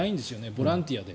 ボランティアで。